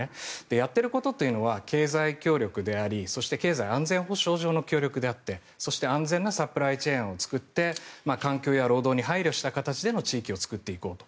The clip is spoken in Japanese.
やっていることというのは経済協力でありそして経済安全保障上の協力であってそして、安全なサプライチェーンを作って環境や労働に配慮した形での地域を作っていこうと。